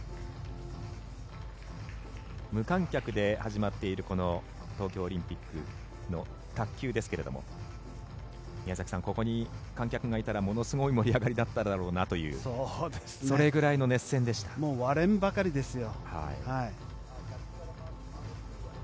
無観客で始まっているこの東京オリンピックの卓球ですけれども宮崎さん、ここに観客がいたらものすごい盛り上がりだっただろうなというもう割れんばかりですよ。